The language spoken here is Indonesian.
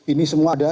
ini semua ada